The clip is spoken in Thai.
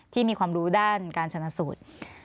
ที่มีความรู้ด้านการชนะสูตร